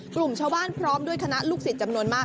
กลุ่มชาวบ้านพร้อมด้วยคณะลูกศิษย์จำนวนมาก